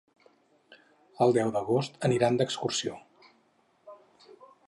El deu d'agost aniran d'excursió.